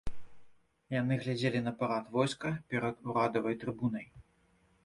Яны глядзелі на парад войска перад урадавай трыбунай.